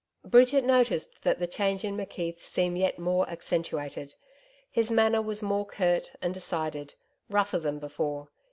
Bridget noticed that the change in McKeith seemed yet more accentuated. His manner was more curt and decided rougher than before.